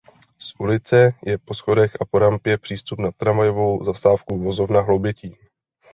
Z ulice je po schodech a po rampě přístup na tramvajovou zastávku Vozovna Hloubětín.